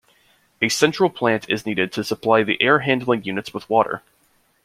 A central plant is needed to supply the air-handling units with water.